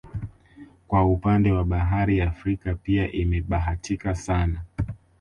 Kwa upande wa bahari Afrika pia imebahatika sana